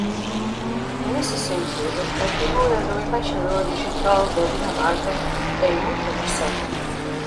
Nesse sentido, a figura do embaixador digital da Dinamarca é muito interessante.